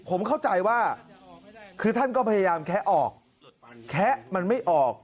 ผมเข้าใจว่าคือท่านก็พยายามแคะออกแคะมันไม่ออก